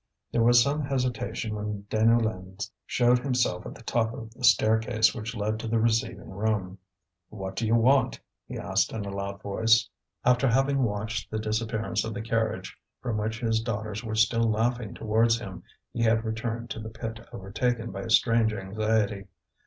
There was some hesitation when Deneulin showed himself at the top of the staircase which led to the receiving room. "What do you want?" he asked in a loud voice. After having watched the disappearance of the carriage, from which his daughters were still laughing towards him, he had returned to the pit overtaken by a strange anxiety.